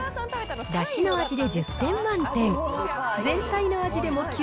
だしの味で１０点満点。